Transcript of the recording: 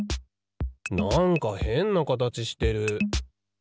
なんかへんなかたちしてる。